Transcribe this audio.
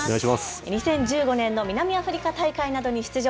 ２０１５年の南アフリカ大会などに出場。